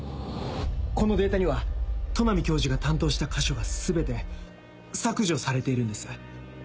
このデータには都波教授が担当した箇所が全て削除されているんです。